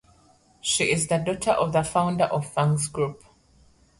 She is the daughter of the founder of Fang’s Group.